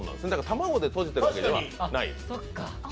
卵でとじているわけではない。